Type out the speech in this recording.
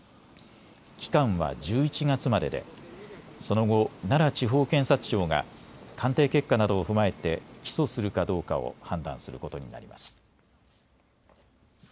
期間は１１月まででその後、奈良地方検察庁が鑑定結果などを踏まえて起訴するかどうかを判断することになります。